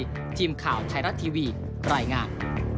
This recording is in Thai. อรุณพักดีทีมข่าวไทรัตทีวีรายงาน